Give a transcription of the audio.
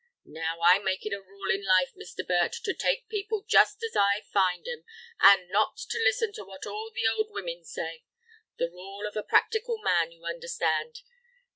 "Now, I make it a rule in life, Mr. Burt, to take people just as I find 'em, and not to listen to what all the old women say. The rule of a practical man, you understand.